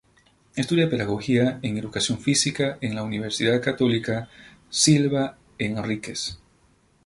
Estudia pedagogía en educación física en la Universidad Católica Silva Henríquez.